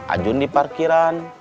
ajun di parkiran